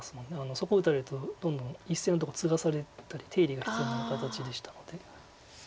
そこ打たれるとどんどん１線のとこツガされたり手入れが必要な形でしたので。